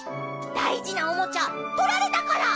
だいじなおもちゃとられたから！